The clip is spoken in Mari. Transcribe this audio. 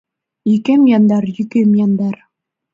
Йӱкем яндар, йӱкем яндар